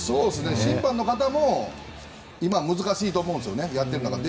審判の方も今、難しいと思うんですよねやってる中で。